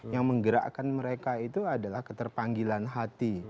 yang menggerakkan mereka itu adalah keterpanggilan hati